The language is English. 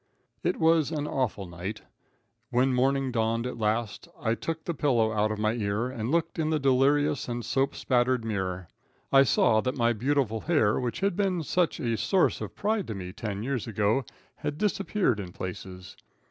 It was an awful night. When morning dawned at last, and I took the pillow out of my ear and looked in the delirious and soap spattered mirror, I saw that my beautiful hair, which had been such a source of pride to me ten years ago, had disappeared in places.